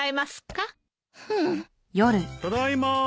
ただいま。